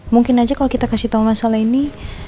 mungkin aja kalau kita kasih tahu masalah ini